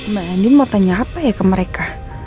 mbak ending mau tanya apa ya ke mereka